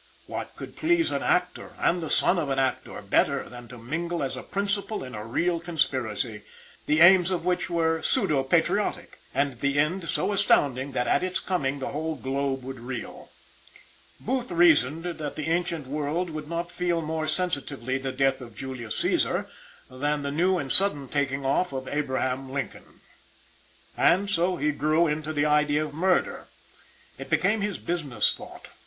What could please an actor, and the son of an actor, better than to mingle as a principal in a real conspiracy, the aims of which were pseudo patriotic, and the end so astounding that at its coming the whole globe would reel. Booth reasoned that the ancient world would not feel more sensitively the death of Julius Cęsar than the new the sudden taking off of Abraham Lincoln. And so he grew into the idea of murder. It became his business thought.